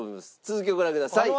続きをご覧ください。